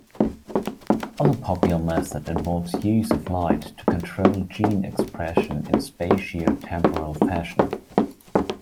Other popular method involves use of light to control gene expression in spatiotemporal fashion.